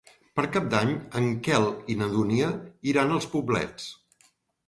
Per Cap d'Any en Quel i na Dúnia iran als Poblets.